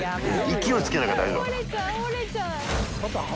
勢いつけなきゃ大丈夫だから。